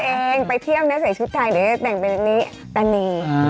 เองไปเที่ยวนะใส่ชุดไทยเดี๋ยวจะแต่งเป็นอันนี้ตานี